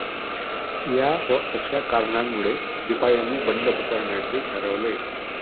या व अशा कारणांमुळे शिपायांनी बंड पुकारण्याचे ठरवले.